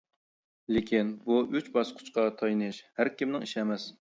لېكىن، بۇ ئۈچ باسقۇچقا تايىنىش ھەركىمنىڭ ئىشى ئەمەس.